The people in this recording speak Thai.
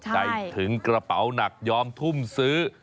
ใจถึงกระเป๋าหนักยอมทุ่มซื้อ